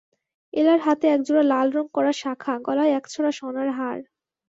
এলার হাতে একজোড়া লালরঙ-করা শাঁখা, গলায় একছড়া সোনার হার।